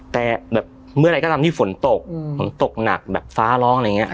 แต่เมื่อไหร่ก็ทำที่ฝนตกตกหนักที่ฟ้าร้องอะไรอย่างเงี่ย